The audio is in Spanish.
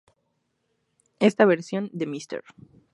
Esta versión de Mr.